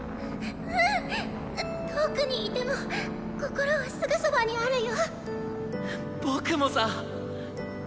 「うん遠くにいても心はすぐそばにあるよ」。